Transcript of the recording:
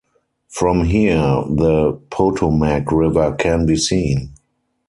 From here, the Potomac river can be seen.